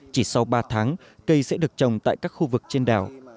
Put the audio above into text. chỉ sau ba tháng cây sẽ được trồng tại các khu vực trên đảo